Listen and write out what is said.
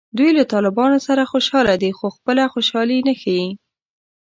دوی له طالبانو سره خوشحاله دي خو خپله خوشحالي نه ښیي